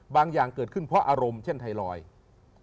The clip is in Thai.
อย่างเกิดขึ้นเพราะอารมณ์เช่นไทรอยด์